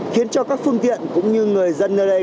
khiến cho các phương tiện cũng như người dân ở đây